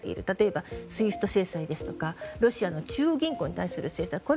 例えば、ＳＷＩＦＴ制裁ですとかロシアの中央銀行に対する制裁。